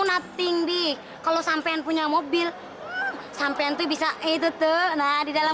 nothing di kalau sampai punya mobil sampai itu bisa itu tuh nah di dalam